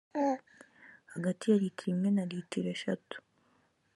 hagati ya litiro imwe na litiro eshatu